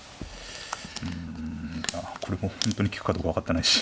うんこれも本当に利くかどうか分かってないし。